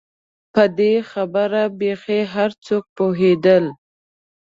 پر دې خبره بېخي هر څوک پوهېدل.